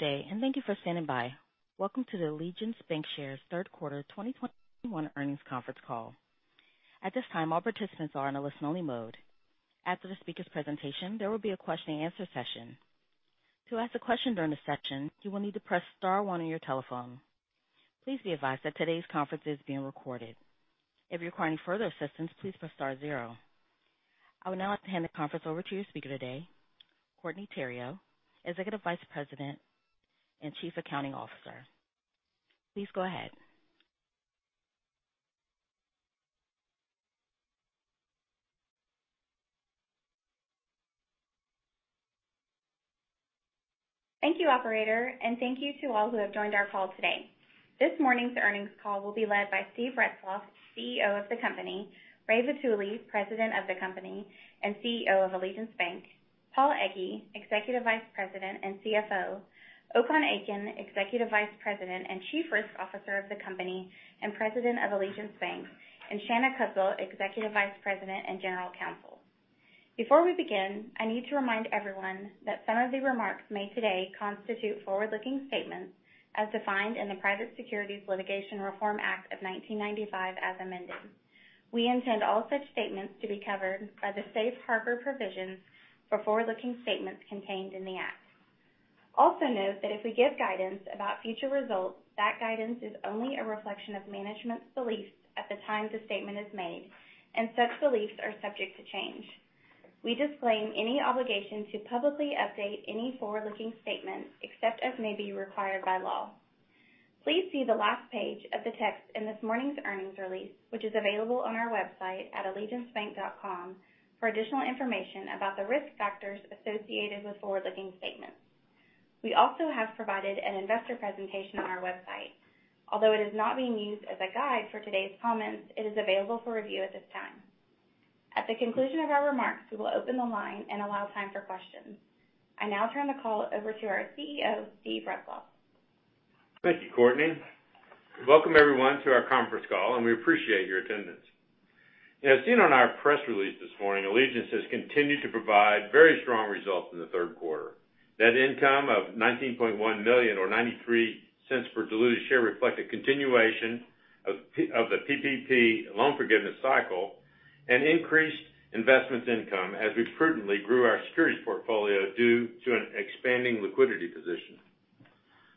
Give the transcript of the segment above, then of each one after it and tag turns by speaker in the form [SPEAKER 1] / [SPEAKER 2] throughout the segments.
[SPEAKER 1] Good day, and thank you for standing by. Welcome to the Allegiance Bancshares Third Quarter 2021 Earnings Conference Call. At this time, all participants are in a listen-only mode. After the speaker's presentation, there will be a question and answer session. To ask a question during this session, you will need to press star one on your telephone. Please be advised that today's conference is being recorded. If you require any further assistance, please press star zero. I would now like to hand the conference over to your speaker today, Courtney Theriot, Executive Vice President and Chief Accounting Officer. Please go ahead.
[SPEAKER 2] Thank you, operator, and thank you to all who have joined our call today. This morning's earnings call will be led by Steve Retzloff, CEO of the company, Ramon Vitulli, President of the company and CEO of Allegiance Bank, Paul Egge, Executive Vice President and CFO, Okan Akin, Executive Vice President and Chief Risk Officer of the company and President of Allegiance Bank, and Shanna Kuzdzal, Executive Vice President and General Counsel. Before we begin, I need to remind everyone that some of the remarks made today constitute forward-looking statements as defined in the Private Securities Litigation Reform Act of 1995 as amended. We intend all such statements to be covered by the safe harbor provisions for forward-looking statements contained in the act. Note that if we give guidance about future results, that guidance is only a reflection of management's beliefs at the time the statement is made, and such beliefs are subject to change. We disclaim any obligation to publicly update any forward-looking statements except as may be required by law. Please see the last page of the text in this morning's earnings release, which is available on our website at allegiancebank.com for additional information about the risk factors associated with forward-looking statements. We also have provided an investor presentation on our website. Although it is not being used as a guide for today's comments, it is available for review at this time. At the conclusion of our remarks, we will open the line and allow time for questions. I now turn the call over to our CEO, Steve Retzloff.
[SPEAKER 3] Thank you, Courtney. Welcome, everyone, to our conference call, and we appreciate your attendance. As seen on our press release this morning, Allegiance has continued to provide very strong results in the third quarter. Net income of $19.1 million or $0.93 per diluted share reflects a continuation of the PPP loan forgiveness cycle and increased investment income as we prudently grew our securities portfolio due to an expanding liquidity position.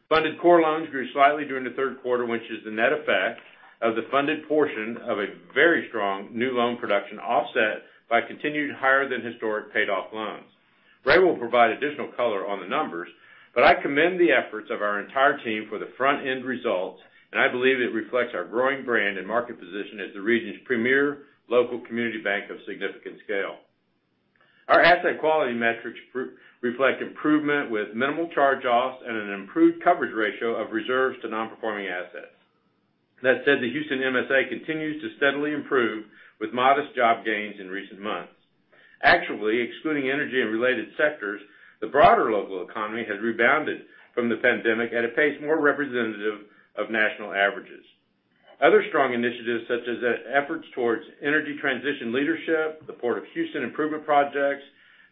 [SPEAKER 3] Funded core loans grew slightly during the third quarter, which is the net effect of the funded portion of a very strong new loan production offset by continued higher than historic payoff loans. Ray will provide additional color on the numbers, but I commend the efforts of our entire team for the front-end results, and I believe it reflects our growing brand and market position as the region's premier local community bank of significant scale. Our asset quality metrics reflect improvement with minimal charge-offs and an improved coverage ratio of reserves to non-performing assets. That said, the Houston MSA continues to steadily improve with modest job gains in recent months. Actually, excluding energy and related sectors, the broader local economy has rebounded from the pandemic at a pace more representative of national averages. Other strong initiatives, such as efforts towards energy transition leadership, the Port of Houston improvement projects,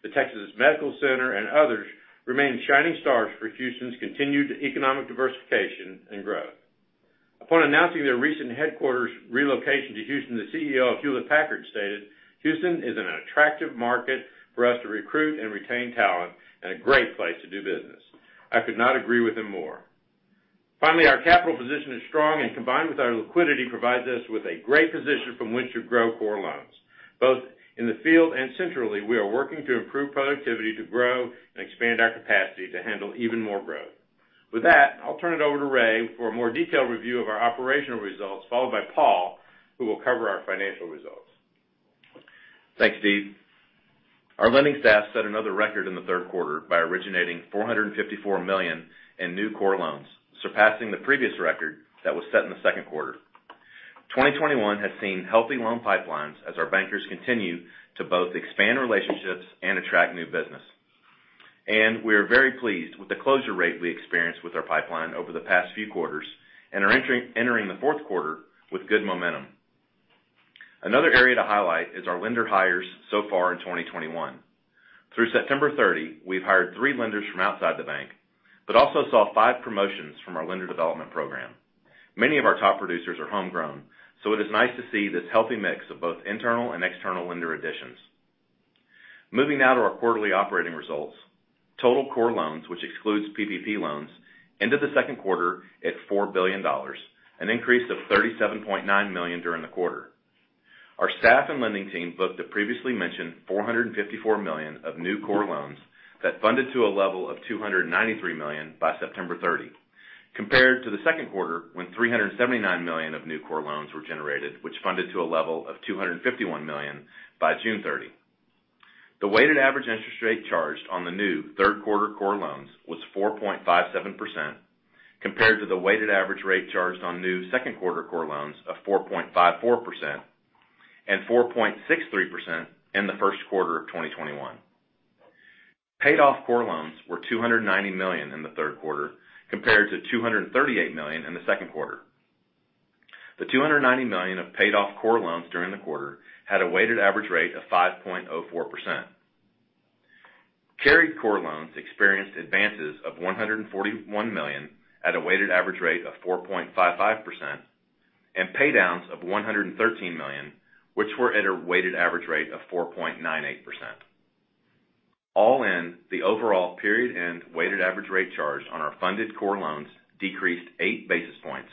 [SPEAKER 3] the Texas Medical Center, and others remain shining stars for Houston's continued economic diversification and growth. Upon announcing their recent headquarters relocation to Houston, the CEO of Hewlett Packard Enterprise stated, "Houston is an attractive market for us to recruit and retain talent and a great place to do business." I could not agree with him more. Finally, our capital position is strong and, combined with our liquidity, provides us with a great position from which to grow core loans. Both in the field and centrally, we are working to improve productivity to grow and expand our capacity to handle even more growth. With that, I'll turn it over to Ray for a more detailed review of our operational results, followed by Paul, who will cover our financial results.
[SPEAKER 4] Thanks, Steve. Our lending staff set another record in the third quarter by originating $454 million in new core loans, surpassing the previous record that was set in the second quarter. 2021 has seen healthy loan pipelines as our bankers continue to both expand relationships and attract new business. We are very pleased with the closure rate we experienced with our pipeline over the past few quarters and are entering the fourth quarter with good momentum. Another area to highlight is our lender hires so far in 2021. Through September 30, we've hired three lenders from outside the bank, but also saw five promotions from our lender development program. Many of our top producers are homegrown, so it is nice to see this healthy mix of both internal and external lender additions. Moving now to our quarterly operating results. Total core loans, which excludes PPP loans, ended the second quarter at $4 billion, an increase of $37.9 million during the quarter. Our staff and lending team booked the previously mentioned $454 million of new core loans that funded to a level of $293 million by September 30, compared to the second quarter, when $379 million of new core loans were generated, which funded to a level of $251 million by June 30. The weighted average interest rate charged on the new third quarter core loans was 4.57%, compared to the weighted average rate charged on new second quarter core loans of 4.54% and 4.63% in the first quarter of 2021. Paid off core loans were $290 million in the third quarter compared to $238 million in the second quarter. The $290 million of paid off core loans during the quarter had a weighted average rate of 5.04%. C&I core loans experienced advances of $141 million at a weighted average rate of 4.55% and pay downs of $113 million, which were at a weighted average rate of 4.98%. All in, the overall period-end weighted average rate charge on our funded core loans decreased 8 basis points,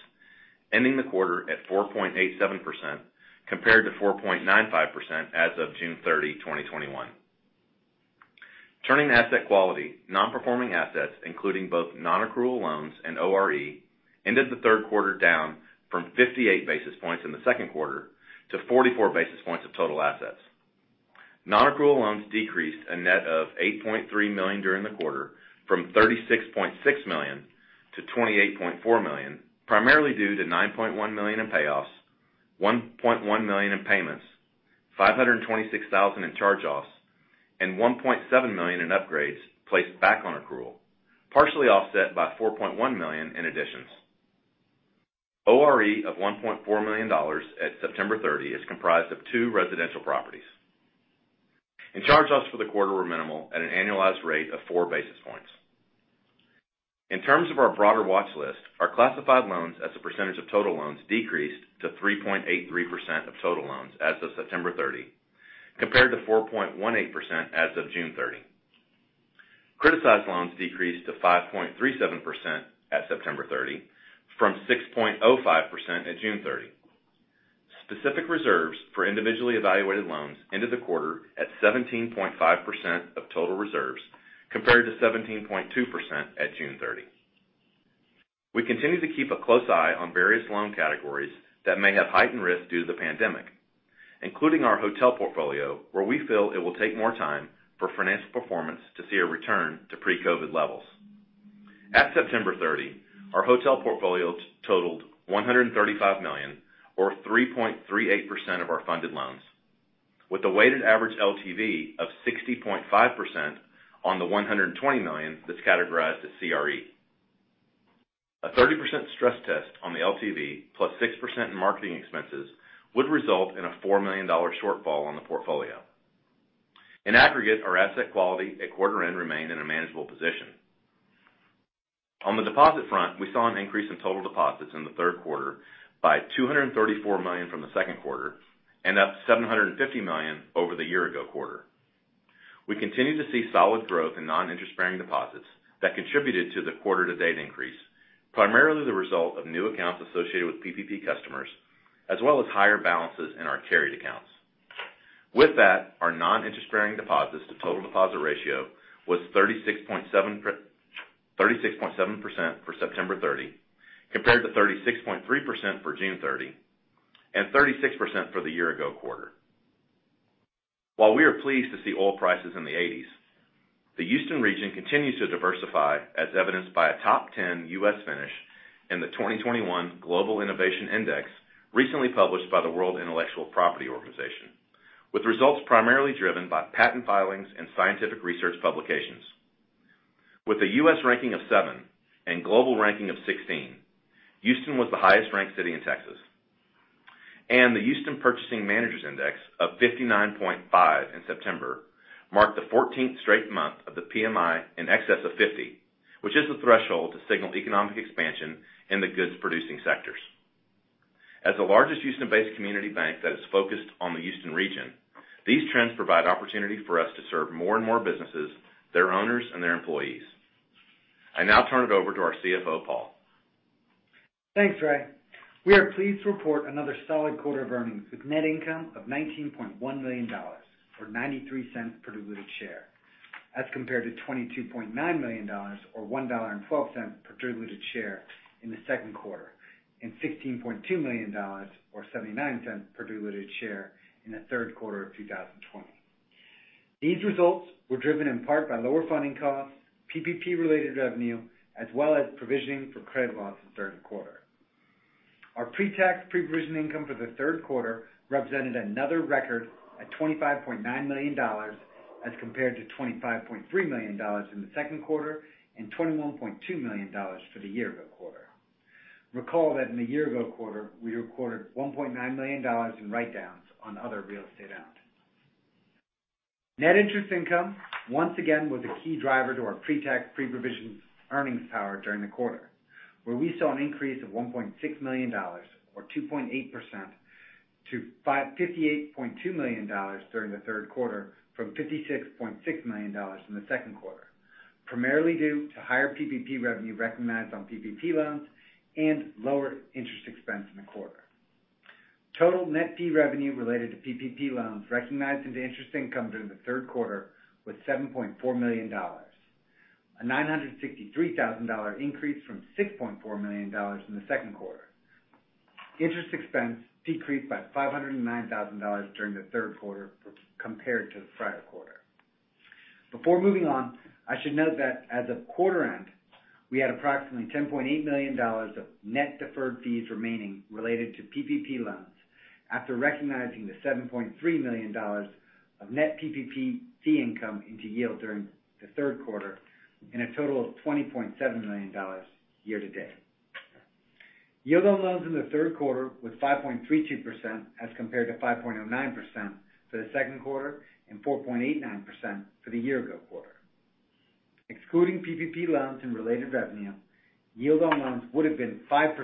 [SPEAKER 4] ending the quarter at 4.87% compared to 4.95% as of June 30, 2021. Turning to asset quality, non-performing assets, including both non-accrual loans and ORE, ended the third quarter down from 58 basis points in the second quarter to 44 basis points of total assets. Non-accrual loans decreased a net of $8.3 million during the quarter from $36.6 million to $28.4 million, primarily due to $9.1 million in payoffs, $1.1 million in payments, $526,000 in charge-offs, and $1.7 million in upgrades placed back on accrual, partially offset by $4.1 million in additions. ORE of $1.4 million at September 30 is comprised of two residential properties. Charge-offs for the quarter were minimal at an annualized rate of 4 basis points. In terms of our broader watch list, our classified loans as a percentage of total loans decreased to 3.83% of total loans as of September 30, compared to 4.18% as of June 30. Criticized loans decreased to 5.37% at September 30 from 6.05% at June 30. Specific reserves for individually evaluated loans in the quarter at 17.5% of total reserves compared to 17.2% at June 30. We continue to keep a close eye on various loan categories that may have heightened risk due to the pandemic, including our hotel portfolio, where we feel it will take more time for financial performance to see a return to pre-COVID levels. At September 30, our hotel portfolios totaled $135 million or 3.38% of our funded loans, with a weighted average LTV of 60.5% on the $120 million that's categorized as CRE. A 30% stress test on the LTV plus 6% in marketing expenses would result in a $4 million shortfall on the portfolio. In aggregate, our asset quality at quarter end remained in a manageable position. On the deposit front, we saw an increase in total deposits in the third quarter by $234 million from the second quarter, and up $750 million over the year ago quarter. We continue to see solid growth in non-interest bearing deposits that contributed to the quarter to date increase, primarily the result of new accounts associated with PPP customers, as well as higher balances in our carried accounts. With that, our non-interest bearing deposits to total deposit ratio was 36.7% for September 30, compared to 36.3% for June 30 and 36% for the year ago quarter. While we are pleased to see oil prices in the 80s, the Houston region continues to diversify as evidenced by a top 10 U.S. finish in the 2021 Global Innovation Index, recently published by the World Intellectual Property Organization, with results primarily driven by patent filings and scientific research publications. With a U.S. ranking of seven and global ranking of 16, Houston was the highest-ranked city in Texas, and the Houston Purchasing Managers Index of 59.5 in September marked the 14th straight month of the PMI in excess of 50, which is the threshold to signal economic expansion in the goods producing sectors. As the largest Houston-based community bank that is focused on the Houston region, these trends provide opportunity for us to serve more and more businesses, their owners, and their employees. I now turn it over to our CFO, Paul.
[SPEAKER 5] Thanks, Ray. We are pleased to report another solid quarter of earnings with net income of $19.1 million or $0.93 per diluted share, as compared to $22.9 million or $1.12 per diluted share in the second quarter, and $16.2 million or $0.79 per diluted share in the third quarter of 2020. These results were driven in part by lower funding costs, PPP-related revenue, as well as provisioning for credit losses during the quarter. Our pre-tax, pre-provision income for the third quarter represented another record at $25.9 million, as compared to $25.3 million in the second quarter and $21.2 million for the year ago quarter. Recall that in the year ago quarter, we recorded $1.9 million in write downs on other real estate items. Net interest income, once again, was a key driver to our pre-tax, pre-provision earnings power during the quarter, where we saw an increase of $1.6 million or 2.8% to $58.2 million during the third quarter from $56.6 million in the second quarter, primarily due to higher PPP revenue recognized on PPP loans and lower interest expense in the quarter. Total net fee revenue related to PPP loans recognized into interest income during the third quarter was $7.4 million, a $963,000 increase from $6.4 million in the second quarter. Interest expense decreased by $509 thousand during the third quarter compared to the prior quarter. Before moving on, I should note that as of quarter end, we had approximately $10.8 million of net deferred fees remaining related to PPP loans, after recognizing the $7.3 million of net PPP fee income into yield during the third quarter and a total of $20.7 million year to date. Yield on loans in the third quarter was 5.32% as compared to 5.09% for the second quarter and 4.89% for the year ago quarter. Excluding PPP loans and related revenue, yield on loans would have been 5%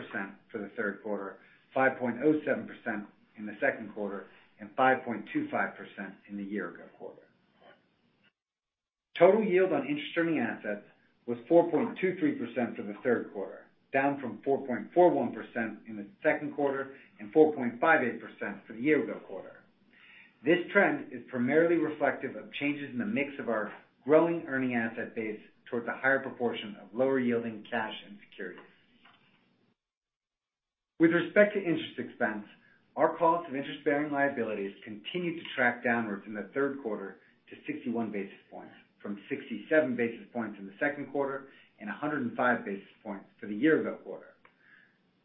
[SPEAKER 5] for the third quarter, 5.07% in the second quarter, and 5.25% in the year ago quarter. Total yield on interest earning assets was 4.23% for the third quarter, down from 4.41% in the second quarter and 4.58% for the year ago quarter. This trend is primarily reflective of changes in the mix of our growing earning asset base towards a higher proportion of lower yielding cash and securities. With respect to interest expense, our cost of interest bearing liabilities continued to track downwards in the third quarter to 61 basis points from 67 basis points in the second quarter and 105 basis points for the year ago quarter,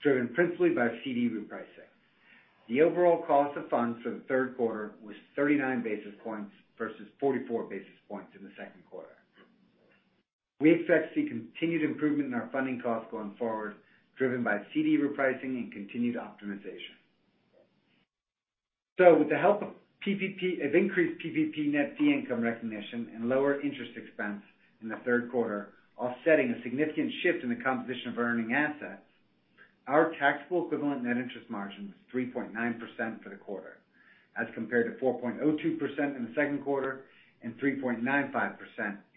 [SPEAKER 5] driven principally by CD repricing. The overall cost of funds for the third quarter was 39 basis points versus 44 basis points in the second quarter. We expect to see continued improvement in our funding costs going forward, driven by CD repricing and continued optimization. With the help of increased PPP net fee income recognition and lower interest expense in the third quarter, offsetting a significant shift in the composition of our earning assets, our taxable equivalent net interest margin was 3.9% for the quarter as compared to 4.02% in the second quarter and 3.95%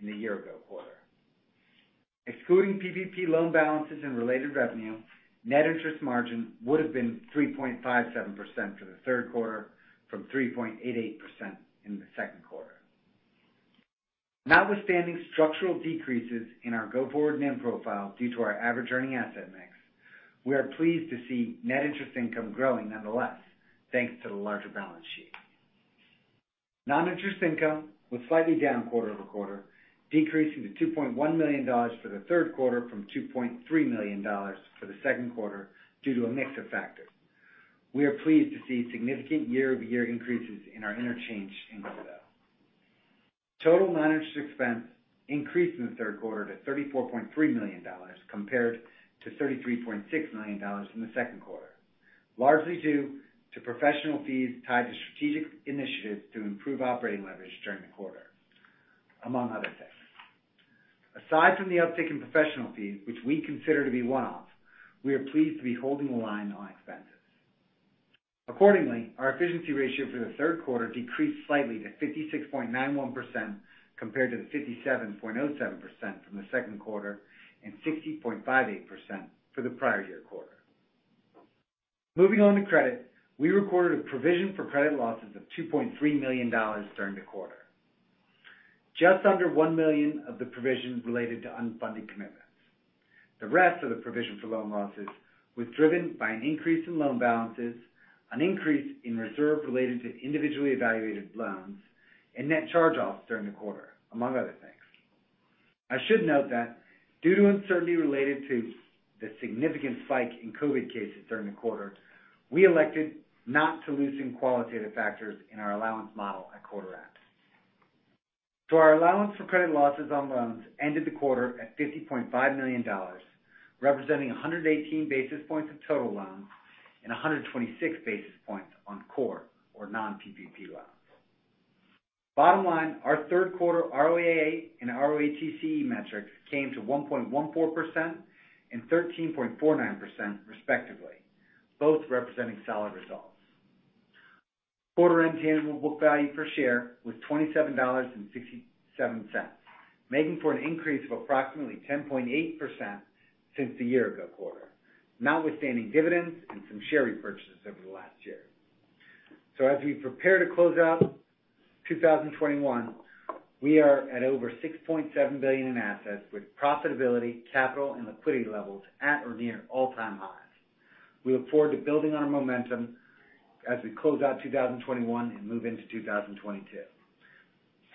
[SPEAKER 5] in the year ago quarter. Excluding PPP loan balances and related revenue, net interest margin would have been 3.57% for the third quarter from 3.88% in the second quarter. Notwithstanding structural decreases in our go forward NIM profile due to our average earning asset mix, we are pleased to see net interest income growing nonetheless, thanks to the larger balance sheet. Non-interest income was slightly down quarter-over-quarter, decreasing to $2.1 million for the third quarter from $2.3 million for the second quarter due to a mix of factors. We are pleased to see significant year-over-year increases in our interchange income, though. Total non-interest expense increased in the third quarter to $34.3 million compared to $33.6 million in the second quarter, largely due to professional fees tied to strategic initiatives to improve operating leverage during the quarter, among other things. Aside from the uptick in professional fees, which we consider to be one-off, we are pleased to be holding the line on expenses. Accordingly, our efficiency ratio for the third quarter decreased slightly to 56.91% compared to the 57.07% from the second quarter and 60.58% for the prior year quarter. Moving on to credit. We recorded a provision for credit losses of $2.3 million during the quarter. Just under $1 million of the provisions related to unfunded commitments. The rest of the provision for loan losses was driven by an increase in loan balances, an increase in reserve related to individually evaluated loans and net charge-offs during the quarter, among other things. I should note that due to uncertainty related to the significant spike in COVID cases during the quarter, we elected not to loosen qualitative factors in our allowance model at quarter end. Our allowance for credit losses on loans ended the quarter at $50.5 million, representing 118 basis points of total loans and 126 basis points on core or non-PPP loans. Bottom line, our third quarter ROAA and ROATCE metrics came to 1.14% and 13.49% respectively, both representing solid results. Quarter end tangible book value per share was $27.67, making for an increase of approximately 10.8% since the year ago quarter, notwithstanding dividends and some share repurchases over the last year. As we prepare to close out 2021, we are at over $6.7 billion in assets with profitability, capital and liquidity levels at or near all-time highs. We look forward to building on our momentum as we close out 2021 and move into 2022.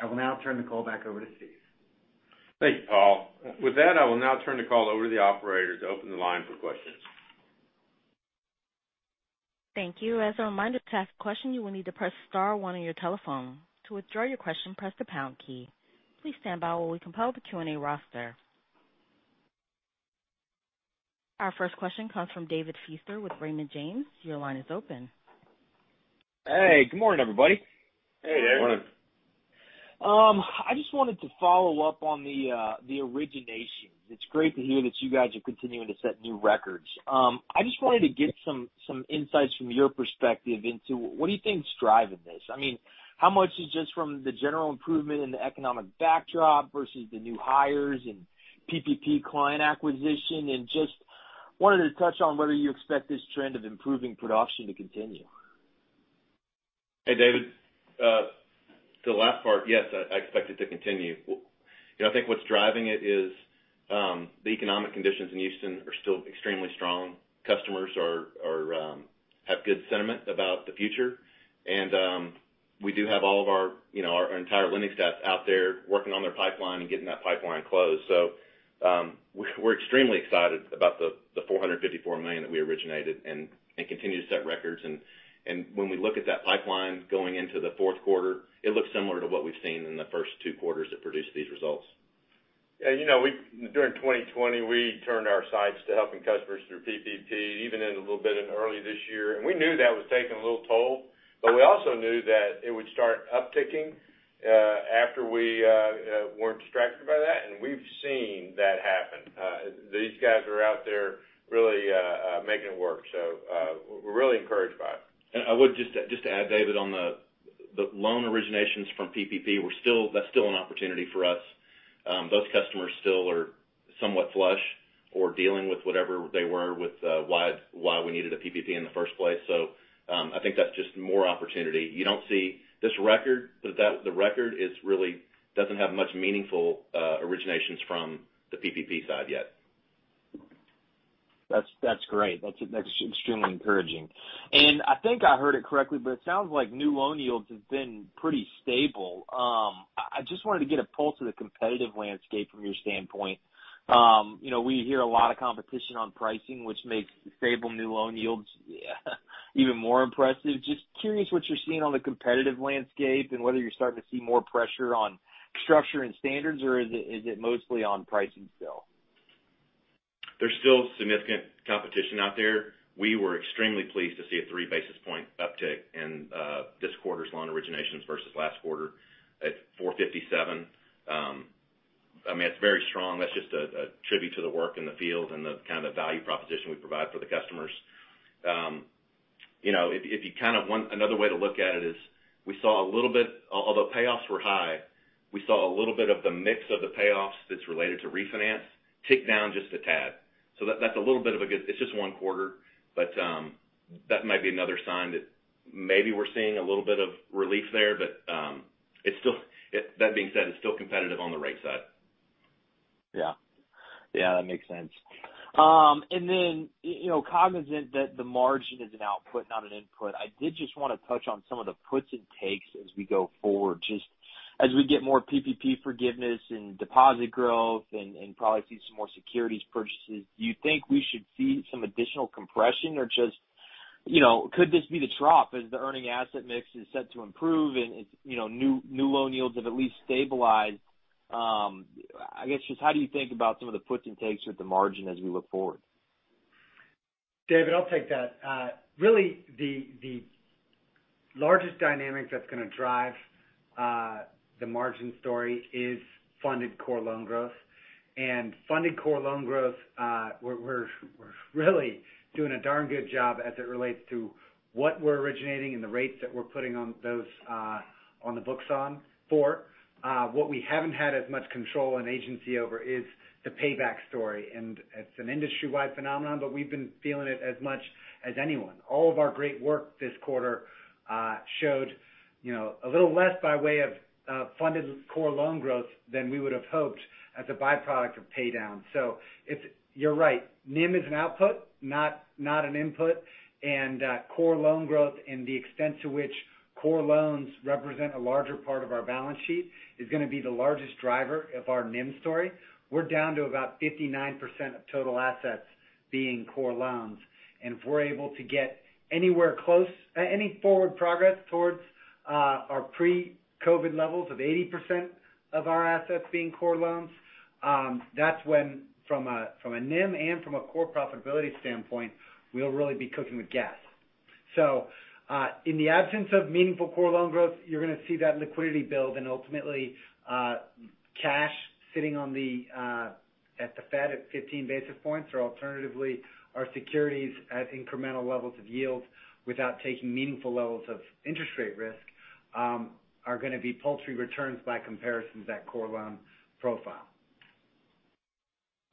[SPEAKER 5] I will now turn the call back over to Steve.
[SPEAKER 3] Thank you, Paul. With that, I will now turn the call over to the operator to open the line for questions.
[SPEAKER 1] Thank you. As a reminder, to ask a question, you will need to press star one on your telephone. To withdraw your question, press the pound key. Please stand by while we compile the Q&A roster. Our first question comes from David Feaster with Raymond James. Your line is open.
[SPEAKER 6] Hey, good morning, everybody.
[SPEAKER 3] Hey, Dave.
[SPEAKER 5] Morning.
[SPEAKER 6] I just wanted to follow up on the originations. It's great to hear that you guys are continuing to set new records. I just wanted to get some insights from your perspective into what do you think is driving this? I mean, how much is just from the general improvement in the economic backdrop versus the new hires and PPP client acquisition? I just wanted to touch on whether you expect this trend of improving production to continue.
[SPEAKER 4] Hey, David. The last part, yes, I expect it to continue. You know, I think what's driving it is the economic conditions in Houston are still extremely strong. Customers are have good sentiment about the future. We do have all of our, you know, our entire lending staff out there working on their pipeline and getting that pipeline closed. We're extremely excited about the $454 million that we originated and continue to set records. When we look at that pipeline going into the fourth quarter, it looks similar to what we've seen in the first two quarters that produced these results.
[SPEAKER 3] Yeah, you know, during 2020, we turned our sights to helping customers through PPP, even a little bit into early this year. We knew that was taking a little toll, but we also knew that it would start upticking after we weren't distracted by that, and we've seen that happen. These guys are out there really making it work. We're really encouraged by it.
[SPEAKER 4] I would just to add, David, on the loan originations from PPP, we're still—that's still an opportunity for us. Those customers still are somewhat flush or dealing with whatever they were with why we needed a PPP in the first place. I think that's just more opportunity. You don't see this record, but the record really doesn't have much meaningful originations from the PPP side yet.
[SPEAKER 6] That's great. That's extremely encouraging. I think I heard it correctly, but it sounds like new loan yields have been pretty stable. I just wanted to get a pulse of the competitive landscape from your standpoint. You know, we hear a lot of competition on pricing, which makes stable new loan yields, yeah, even more impressive. Just curious what you're seeing on the competitive landscape and whether you're starting to see more pressure on structure and standards, or is it mostly on pricing still?
[SPEAKER 4] There's still significant competition out there. We were extremely pleased to see a 3 basis point uptick in this quarter's loan originations versus last quarter at 4.57%. I mean, it's very strong. That's just a tribute to the work in the field and the kind of value proposition we provide for the customers. You know, if you kind of want another way to look at it is we saw a little bit, although payoffs were high, we saw a little bit of the mix of the payoffs that's related to refinance tick down just a tad. That's a little bit. It's just one quarter, but that might be another sign that maybe we're seeing a little bit of relief there. That being said, it's still competitive on the rate side.
[SPEAKER 6] Yeah. Yeah, that makes sense. You know, cognizant that the margin is an output, not an input, I did just wanna touch on some of the puts and takes as we go forward. Just as we get more PPP forgiveness and deposit growth and probably see some more securities purchases, do you think we should see some additional compression or just, you know, could this be the trough as the earning asset mix is set to improve and it's, you know, new loan yields have at least stabilized? I guess just how do you think about some of the puts and takes with the margin as we look forward?
[SPEAKER 5] David, I'll take that. Really, the largest dynamic that's gonna drive the margin story is funded core loan growth. Funded core loan growth, we're really doing a darn good job as it relates to what we're originating and the rates that we're putting on those on the books on for. What we haven't had as much control and agency over is the payback story, and it's an industry-wide phenomenon, but we've been feeling it as much as anyone. All of our great work this quarter showed, you know, a little less by way of funded core loan growth than we would have hoped as a byproduct of pay down. You're right, NIM is an output, not an input. Core loan growth and the extent to which core loans represent a larger part of our balance sheet is gonna be the largest driver of our NIM story. We're down to about 59% of total assets being core loans. If we're able to get anywhere close, any forward progress towards, our pre-COVID levels of 80% of our assets being core loans, that's when from a NIM and from a core profitability standpoint, we'll really be cooking with gas. In the absence of meaningful core loan growth, you're gonna see that liquidity build and ultimately, cash sitting on the, at the Fed at 15 basis points, or alternatively, our securities at incremental levels of yield without taking meaningful levels of interest rate risk, are gonna be paltry returns by comparison to that core loan profile.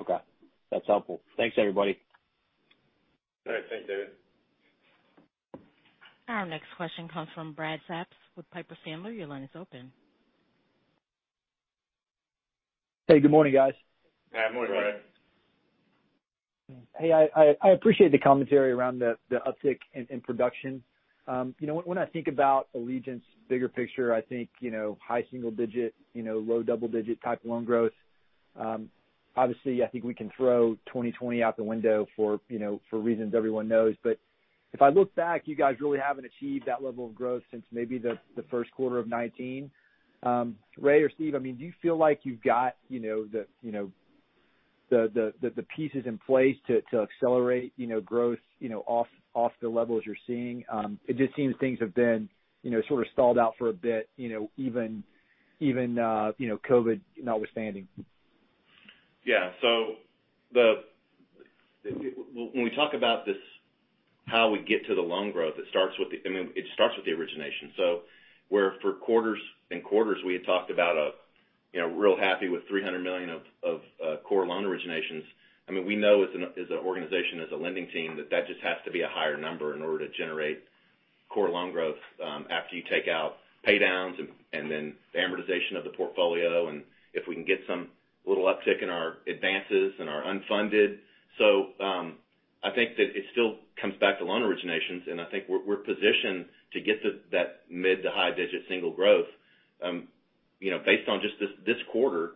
[SPEAKER 6] Okay. That's helpful. Thanks, everybody.
[SPEAKER 3] All right. Thanks, David.
[SPEAKER 1] Our next question comes from Brad Milsaps with Piper Sandler. Your line is open.
[SPEAKER 7] Hey, good morning, guys.
[SPEAKER 3] Yeah, good morning, Brad.
[SPEAKER 7] Hey, I appreciate the commentary around the uptick in production. You know, when I think about Allegiance bigger picture, I think you know high single digit you know low double digit type loan growth. Obviously, I think we can throw 2020 out the window for you know for reasons everyone knows. If I look back, you guys really haven't achieved that level of growth since maybe the first quarter of 2019. Ray or Steve, I mean, do you feel like you've got you know the pieces in place to accelerate you know growth you know off the levels you're seeing? It just seems things have been you know sort of stalled out for a bit you know even you know COVID notwithstanding.
[SPEAKER 4] When we talk about this, how we get to the loan growth, it starts with the origination. Where for quarters and quarters we had talked about, you know, really happy with $300 million of core loan originations. I mean, we know as an organization, as a lending team, that that just has to be a higher number in order to generate core loan growth, after you take out pay downs and then the amortization of the portfolio, and if we can get some little uptick in our advances and our unfunded. I think that it still comes back to loan originations, and I think we're positioned to get to that mid- to high-single-digit growth, based on just this quarter.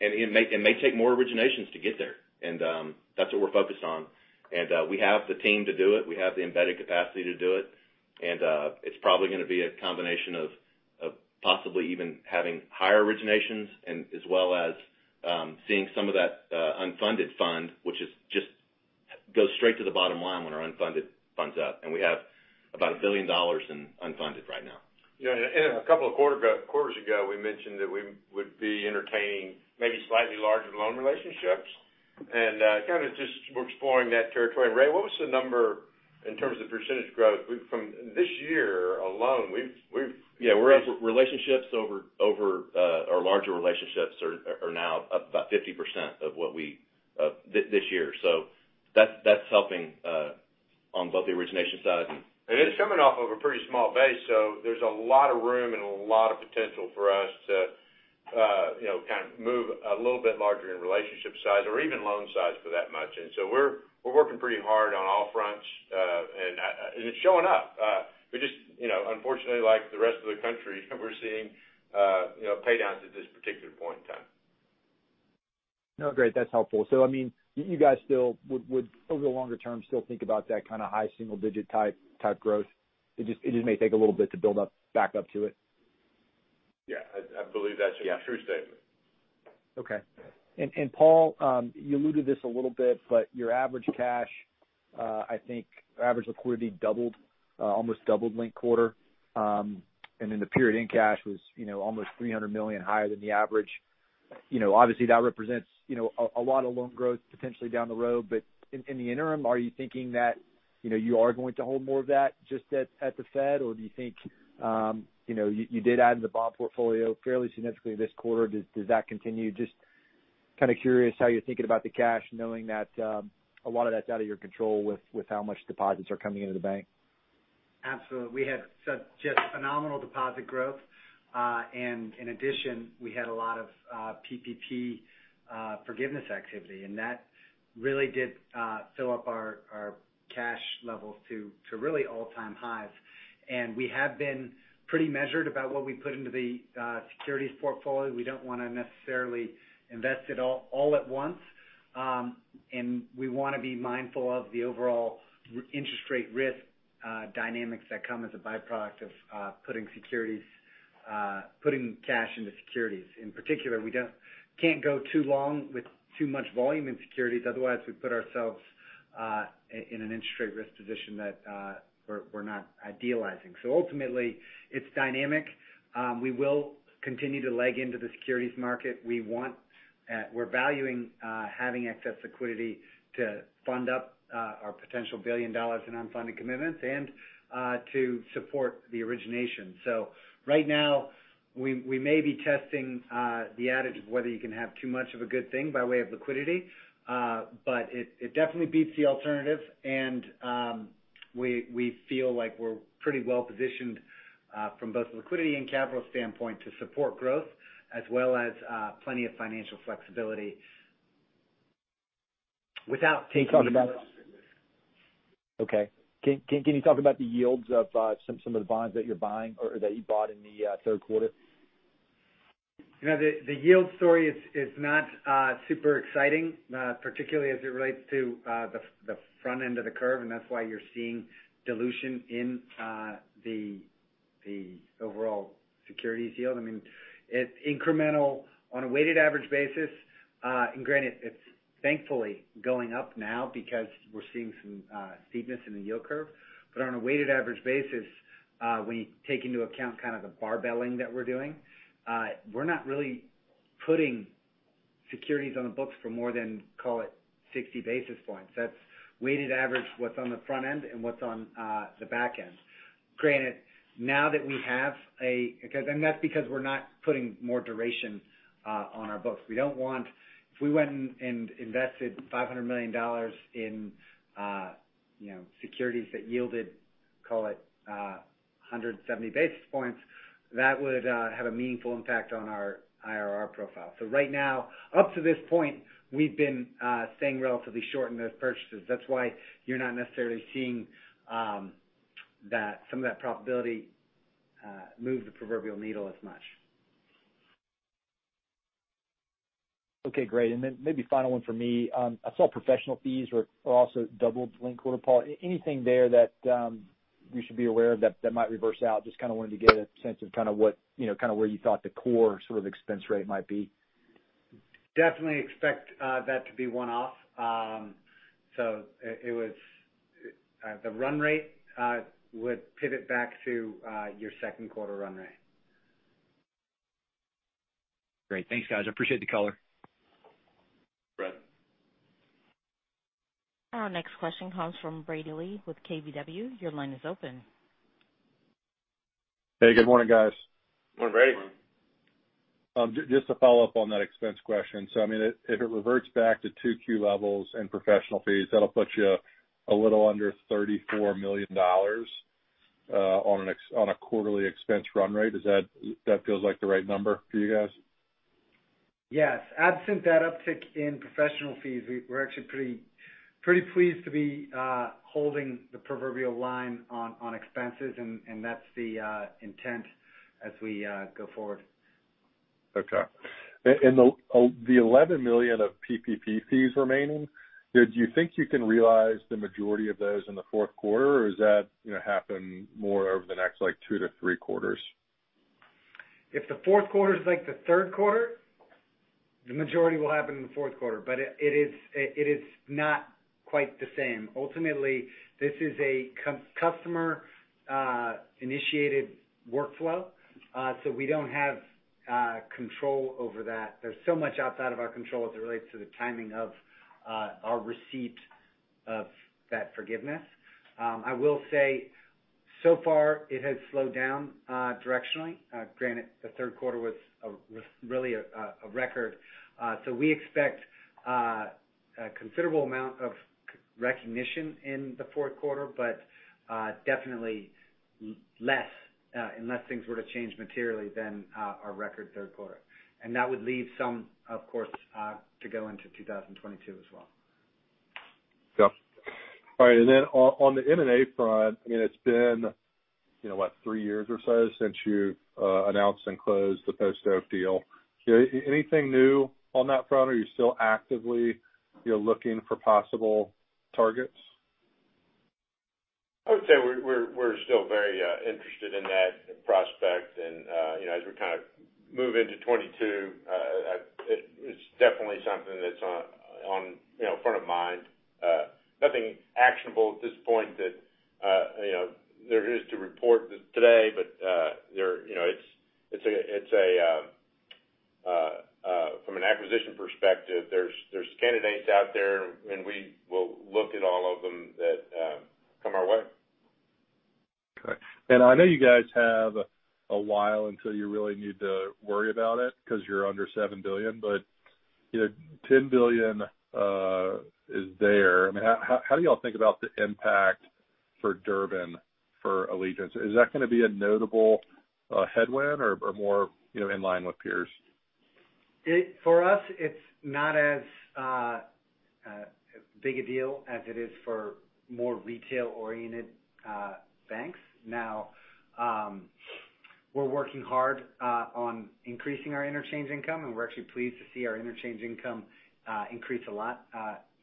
[SPEAKER 4] It may take more originations to get there. That's what we're focused on. We have the team to do it. We have the embedded capacity to do it. It's probably gonna be a combination of possibly even having higher originations and as well as seeing some of that unfunded fund, which just goes straight to the bottom line when our unfunded funds up. We have about $1 billion in unfunded right now.
[SPEAKER 3] Yeah. A couple of quarters ago, we mentioned that we would be entertaining maybe slightly larger loan relationships. Kind of just we're exploring that territory. Ray, what was the number in terms of percentage growth from this year alone, we've yeah, we're at relationships over our larger relationships are now up about 50% of what we this year. So that's helping on both the origination side and. It's coming off of a pretty small base, so there's a lot of room and a lot of potential for us to, you know, kind of move a little bit larger in relationship size or even loan size for that matter. We're working pretty hard on all fronts. It's showing up. We just, you know, unfortunately, like the rest of the country, we're seeing, you know, pay downs at this particular point in time.
[SPEAKER 7] No, great. That's helpful. I mean, you guys still would over the longer term still think about that kind of high single digit type growth. It just may take a little bit to build up, back up to it.
[SPEAKER 3] Yeah. I believe that's a true statement.
[SPEAKER 7] Okay. Paul, you alluded to this a little bit, but your average cash, I think average liquidity doubled, almost doubled linked quarter. The period-end cash was, you know, almost $300 million higher than the average. You know, obviously, that represents, you know, a lot of loan growth potentially down the road. In the interim, are you thinking that, you know, you are going to hold more of that just at the Fed? Do you think you did add to the bond portfolio fairly significantly this quarter? Does that continue? Just kind of curious how you're thinking about the cash knowing that a lot of that's out of your control with how much deposits are coming into the bank.
[SPEAKER 5] Absolutely. We had such just phenomenal deposit growth. In addition, we had a lot of PPP forgiveness activity, and that really did fill up our cash levels to really all-time highs. We have been pretty measured about what we put into the securities portfolio. We don't wanna necessarily invest it all at once. We wanna be mindful of the overall interest rate risk dynamics that come as a byproduct of putting cash into securities. In particular, we can't go too long with too much volume in securities. Otherwise, we put ourselves in an interest rate risk position that we're not idealizing. Ultimately, it's dynamic. We will continue to leg into the securities market. We're valuing having excess liquidity to fund up our potential $1 billion in unfunded commitments and to support the origination. Right now, we may be testing the adage of whether you can have too much of a good thing by way of liquidity. It definitely beats the alternative. We feel like we're pretty well positioned from both liquidity and capital standpoint to support growth as well as plenty of financial flexibility without taking.
[SPEAKER 7] Okay. Can you talk about the yields of some of the bonds that you're buying or that you bought in the third quarter?
[SPEAKER 5] You know, the yield story is not super exciting, particularly as it relates to the front end of the curve, and that's why you're seeing dilution in the overall securities yield. I mean, it's incremental on a weighted average basis. Granted, it's thankfully going up now because we're seeing some steepness in the yield curve. On a weighted average basis, when you take into account kind of the barbelling that we're doing, we're not really putting securities on the books for more than, call it, 60 basis points. That's weighted average, what's on the front end and what's on the back end. Granted, that's because we're not putting more duration on our books. We don't want. If we went and invested $500 million in you know securities that yielded call it 170 basis points, that would have a meaningful impact on our IRR profile. Right now, up to this point, we've been staying relatively short in those purchases. That's why you're not necessarily seeing that some of that profitability move the proverbial needle as much.
[SPEAKER 7] Okay, great. Maybe final one for me. I saw professional fees were also doubled, linked quarter, Paul. Anything there that we should be aware of that might reverse out? Just kind of wanted to get a sense of kind of what, you know, kind of where you thought the core sort of expense rate might be.
[SPEAKER 5] Definitely expect that to be one-off. It was the run rate would pivot back to your second quarter run rate.
[SPEAKER 7] Great. Thanks, guys. I appreciate the color. You bet.
[SPEAKER 1] Our next question comes from Brady Gailey with KBW. Your line is open.
[SPEAKER 8] Hey, good morning, guys.
[SPEAKER 3] Good morning, Brady.
[SPEAKER 8] Just to follow up on that expense question. I mean, if it reverts back to 2Q levels and professional fees, that'll put you a little under $34 million on a quarterly expense run rate. Is that feels like the right number for you guys?
[SPEAKER 5] Yes. Absent that uptick in professional fees, we're actually pretty pleased to be holding the proverbial line on expenses, and that's the intent as we go forward.
[SPEAKER 8] Okay. The $11 million of PPP fees remaining, do you think you can realize the majority of those in the fourth quarter? Or is that, you know, happening more over the next, like, two to three quarters?
[SPEAKER 5] If the fourth quarter is like the third quarter, the majority will happen in the fourth quarter. It is not quite the same. Ultimately, this is a customer initiated workflow, so we don't have control over that. There's so much outside of our control as it relates to the timing of our receipt of that forgiveness. I will say so far it has slowed down directionally. Granted, the third quarter was really a record. We expect a considerable amount of recognition in the fourth quarter, but definitely less, unless things were to change materially than our record third quarter. That would leave some, of course, to go into 2022 as well.
[SPEAKER 8] Yep. All right. On the M&A front, I mean, it's been, you know, what, three years or so since you've announced and closed the Post Oak deal. Anything new on that front? Are you still actively, you know, looking for possible targets?
[SPEAKER 3] I would say we're still very interested in that prospect. You know, as we kind of move into 2022, it's definitely something that's on front of mind. Nothing actionable at this point that you know there is to report today. You know, it's a from an acquisition perspective, there's candidates out there, and we will look at all of them that come our way.
[SPEAKER 8] Okay. I know you guys have a while until you really need to worry about it because you're under $7 billion, but you know, $10 billion is there. I mean, how do y'all think about the impact for Durbin for Allegiance? Is that going to be a notable headwind or more, you know, in line with peers?
[SPEAKER 5] For us, it's not as big a deal as it is for more retail-oriented banks. Now, we're working hard on increasing our interchange income, and we're actually pleased to see our interchange income increase a lot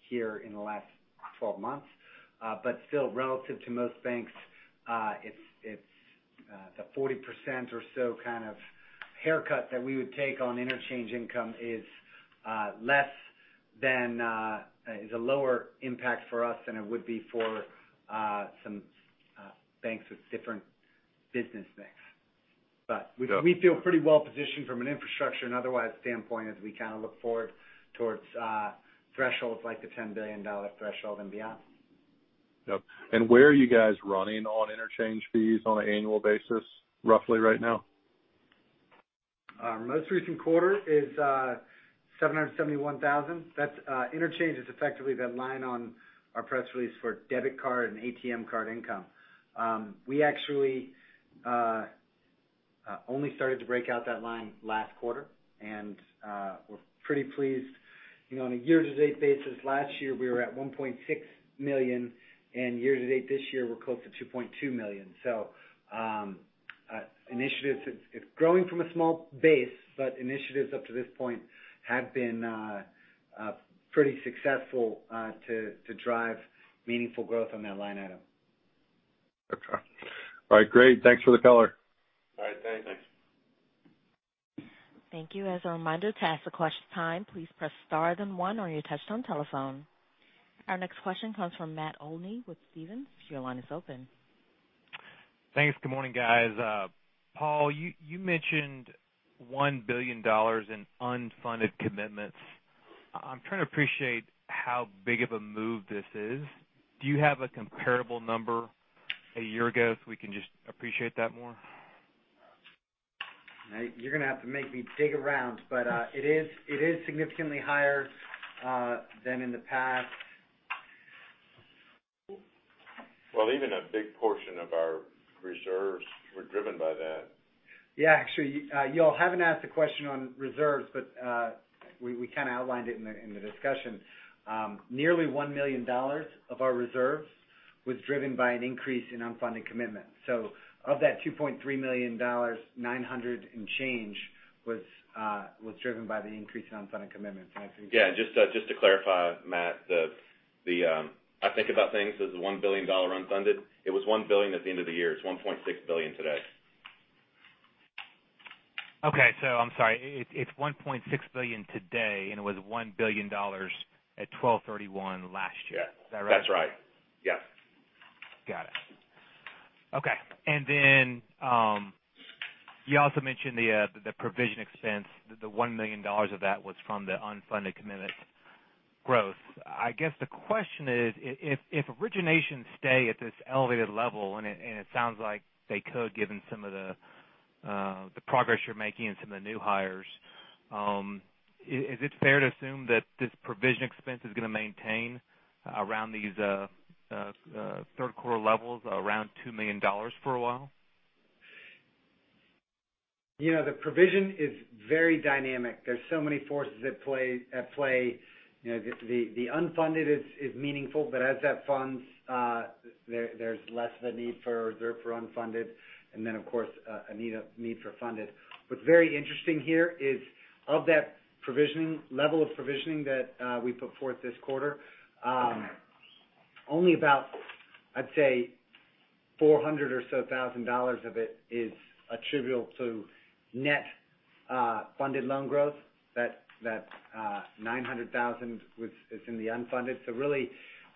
[SPEAKER 5] here in the last 12 months. But still, relative to most banks, it's the 40% or so kind of haircut that we would take on interchange income is less than a lower impact for us than it would be for some banks with different business mix. We feel pretty well positioned from an infrastructure and otherwise standpoint as we kind of look forward towards thresholds like the $10 billion threshold and beyond.
[SPEAKER 8] Yep. Where are you guys running on interchange fees on an annual basis roughly right now?
[SPEAKER 5] Our most recent quarter is $771,000. That's interchange is effectively that line on our press release for debit card and ATM card income. We actually only started to break out that line last quarter, and we're pretty pleased. You know, on a year-to-date basis, last year we were at $1.6 million, and year-to-date this year we're close to $2.2 million. It's growing from a small base, but initiatives up to this point have been pretty successful to drive meaningful growth on that line item.
[SPEAKER 8] Okay. All right, great. Thanks for the color.
[SPEAKER 3] All right, thanks.
[SPEAKER 8] Thanks.
[SPEAKER 1] Thank you. As a reminder, to ask a question at this time, please press star then one on your touchtone telephone. Our next question comes from Matt Olney with Stephens. Your line is open.
[SPEAKER 9] Thanks. Good morning, guys. Paul, you mentioned $1 billion in unfunded commitments. I'm trying to appreciate how big of a move this is. Do you have a comparable number a year ago, so we can just appreciate that more?
[SPEAKER 5] You're going to have to make me dig around, but it is significantly higher than in the past.
[SPEAKER 3] Well, even a big portion of our reserves were driven by that.
[SPEAKER 5] Yeah, actually, y'all haven't asked a question on reserves, but we kind of outlined it in the discussion. Nearly $1 million of our reserves was driven by an increase in unfunded commitments. Of that $2.3 million, 900 and change was driven by the increase in unfunded commitments.
[SPEAKER 3] Yeah, just to clarify, Matt, I think about things as $1 billion unfunded. It was $1 billion at the end of the year. It's $1.6 billion today.
[SPEAKER 9] I'm sorry. It's $1.6 billion today, and it was $1 billion at 12/31 last year.
[SPEAKER 3] Yeah.
[SPEAKER 9] Is that right?
[SPEAKER 3] That's right. Yeah.
[SPEAKER 9] Got it. Okay. You also mentioned the provision expense. The $1 million of that was from the unfunded commitment growth. I guess the question is if originations stay at this elevated level, and it sounds like they could, given some of the progress you're making and some of the new hires, is it fair to assume that this provision expense is going to maintain around these third quarter levels, around $2 million for a while?
[SPEAKER 5] You know, the provision is very dynamic. There's so many forces at play. You know, the unfunded is meaningful, but as that funds, there's less of a need for reserve for unfunded. Then, of course, a need for funded. What's very interesting here is of that provisioning level of provisioning that we put forth this quarter, only about, I'd say $400,000 or so of it is attributable to net funded loan growth. That nine hundred thousand is in the unfunded. Really,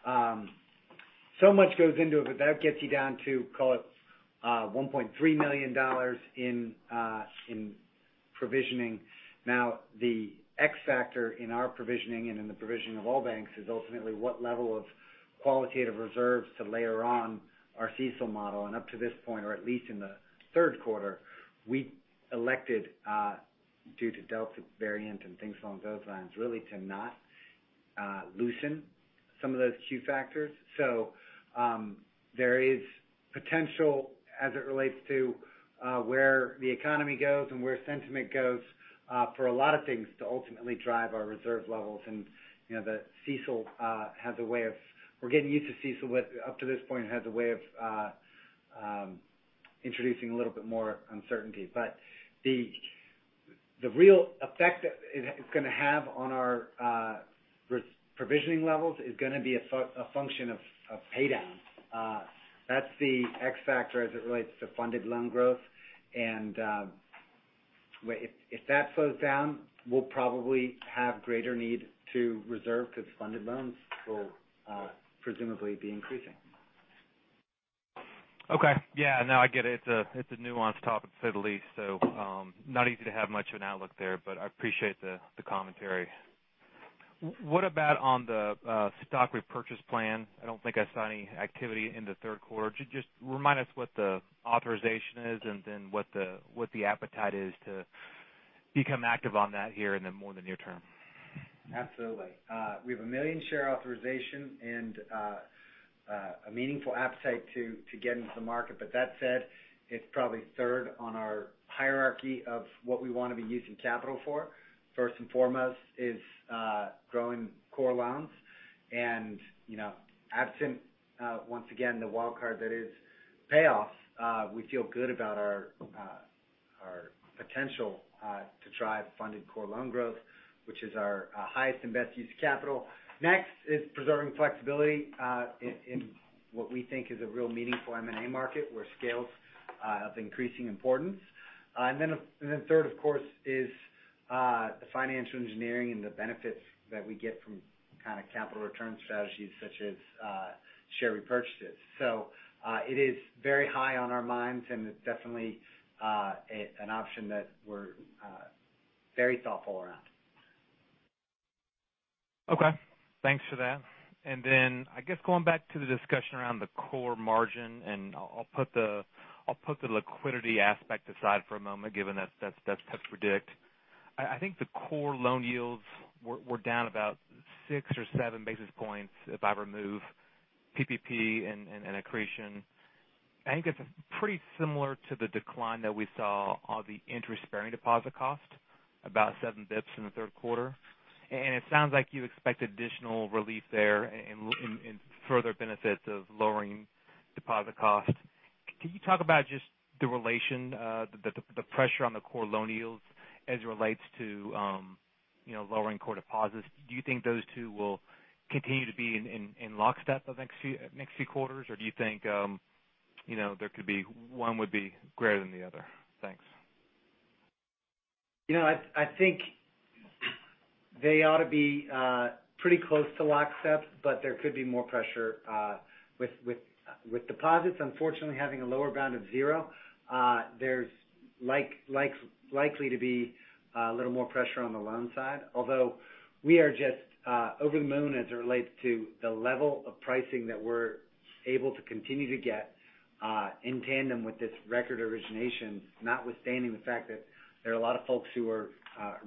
[SPEAKER 5] so much goes into it, but that gets you down to, call it, $1.3 million in provisioning. Now, the X factor in our provisioning and in the provisioning of all banks is ultimately what level of qualitative reserves to layer on our CECL model. Up to this point, or at least in the third quarter, we elected due to Delta variant and things along those lines, really to not loosen some of those Q factors. There is potential as it relates to where the economy goes and where sentiment goes for a lot of things to ultimately drive our reserve levels. You know, the CECL up to this point has a way of introducing a little bit more uncertainty. But the real effect it's gonna have on our provisioning levels is gonna be a function of pay down. That's the X factor as it relates to funded loan growth. If that slows down, we'll probably have greater need to reserve 'cause funded loans will presumably be increasing.
[SPEAKER 9] Okay. Yeah, no, I get it. It's a nuanced topic to say the least, so not easy to have much of an outlook there, but I appreciate the commentary. What about on the stock repurchase plan? I don't think I saw any activity in the third quarter. Just remind us what the authorization is and then what the appetite is to become active on that here in the more than near term.
[SPEAKER 5] Absolutely. We have 1 million share authorization and a meaningful appetite to get into the market. That said, it's probably third on our hierarchy of what we wanna be using capital for. First and foremost is growing core loans. You know, absent once again, the wild card that is payoffs, we feel good about our our potential to drive funded core loan growth, which is our highest and best use of capital. Next is preserving flexibility in what we think is a real meaningful M&A market where scale is of increasing importance. Third, of course, is the financial engineering and the benefits that we get from kinda capital return strategies such as share repurchases. It is very high on our minds, and it's definitely an option that we're very thoughtful around.
[SPEAKER 9] Okay. Thanks for that. Then I guess going back to the discussion around the core margin, and I'll put the liquidity aspect aside for a moment, given that's tough to predict. I think the core loan yields were down about six or seven basis points if I remove PPP and accretion. I think it's pretty similar to the decline that we saw on the interest-bearing deposit cost, about seven basis points in the third quarter. It sounds like you expect additional relief there and further benefits of lowering deposit costs. Can you talk about just the relationship, the pressure on the core loan yields as it relates to lowering core deposits? Do you think those two will continue to be in lockstep the next few quarters? Do you think, you know, there could be, one would be greater than the other? Thanks.
[SPEAKER 5] You know, I think they ought to be pretty close to lockstep, but there could be more pressure with deposits, unfortunately, having a lower bound of zero. There's likely to be a little more pressure on the loan side. Although, we are just over the moon as it relates to the level of pricing that we're able to continue to get in tandem with this record origination, notwithstanding the fact that there are a lot of folks who are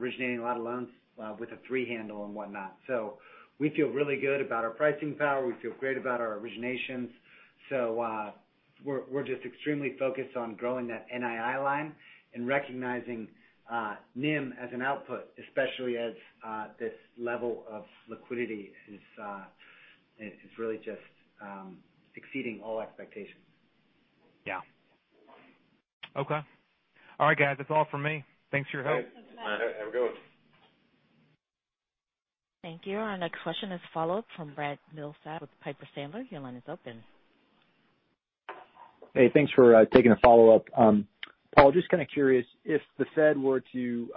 [SPEAKER 5] originating a lot of loans with a three handle and whatnot. So we feel really good about our pricing power. We feel great about our originations. We're just extremely focused on growing that NII line and recognizing NIM as an output, especially as this level of liquidity is really just exceeding all expectations.
[SPEAKER 9] Yeah. Okay. All right, guys, that's all for me. Thanks for your help.
[SPEAKER 3] All right. Thanks, Matt. All right. Have a good one.
[SPEAKER 1] Thank you. Our next question is from Brad Milsaps with Piper Sandler. Your line is open.
[SPEAKER 7] Hey, thanks for taking the follow-up. Paul, just kind of curious if the Fed were to, you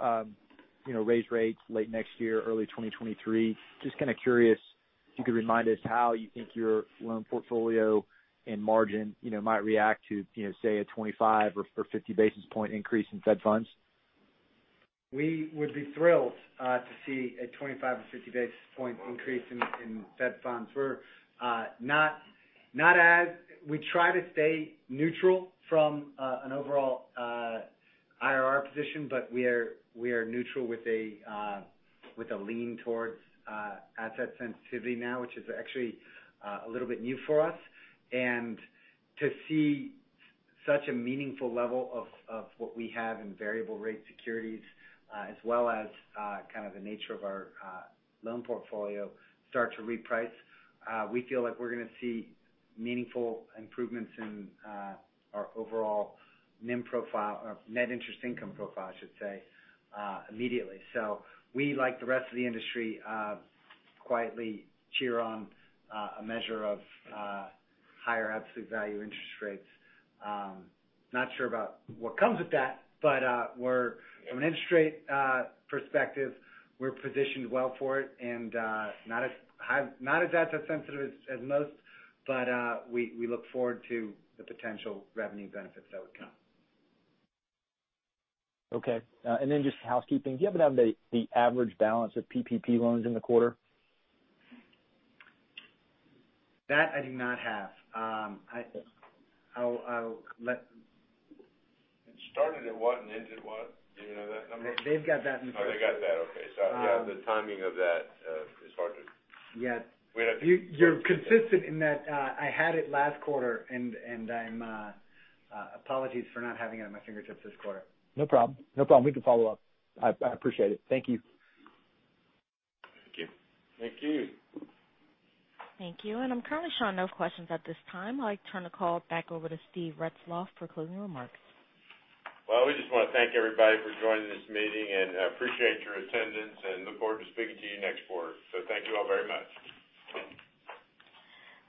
[SPEAKER 7] know, raise rates late next year, early 2023, just kind of curious if you could remind us how you think your loan portfolio and margin, you know, might react to, you know, say, a 25 or 50 basis point increase in Fed funds?
[SPEAKER 5] We would be thrilled to see a 25-50 basis point increase in Fed funds. We try to stay neutral from an overall IRR position, but we are neutral with a lean towards asset sensitivity now, which is actually a little bit new for us. To see such a meaningful level of what we have in variable rate securities, as well as kind of the nature of our loan portfolio start to reprice, we feel like we're gonna see meaningful improvements in our overall NIM profile, or net interest income profile, I should say, immediately. We, like the rest of the industry, quietly cheer on a measure of higher absolute value interest rates. Not sure about what comes with that, but we're from an interest rate perspective, we're positioned well for it and not as asset sensitive as most, but we look forward to the potential revenue benefits that would come.
[SPEAKER 7] Okay. Just housekeeping. Do you happen to have the average balance of PPP loans in the quarter?
[SPEAKER 5] That I do not have. It started at what and ended what? Do you know that number? They've got that. Oh, they got that. Okay. Yeah, the timing of that. Yeah. You're consistent in that. I had it last quarter, and I'm apologies for not having it on my fingertips this quarter.
[SPEAKER 7] No problem. We can follow up. I appreciate it. Thank you.
[SPEAKER 5] Thank you. Thank you.
[SPEAKER 1] Thank you. I'm currently showing no questions at this time. I'll turn the call back over to Steve Retzloff for closing remarks.
[SPEAKER 3] Well, we just wanna thank everybody for joining this meeting, and I appreciate your attendance and look forward to speaking to you next quarter. Thank you all very much.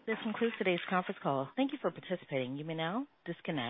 [SPEAKER 1] This concludes today's conference call. Thank you for participating. You may now disconnect.